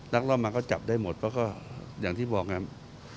รอบมาก็จับได้หมดเพราะก็อย่างที่บอกครับ